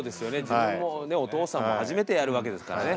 自分もねお父さんも初めてやるわけですからね。